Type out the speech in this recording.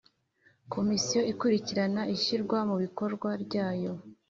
Komisiyo ikurikirana ishyirwa mu bikorwa ryayo